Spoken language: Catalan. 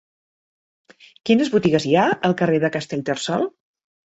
Quines botigues hi ha al carrer de Castellterçol?